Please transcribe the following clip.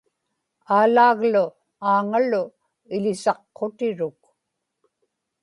Aalaaglu Aaŋalu iḷisaqqutiruk